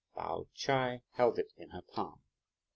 Pao Ch'ai held it in her palm.